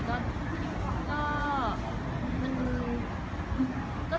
ก็ได้คุยอะคะ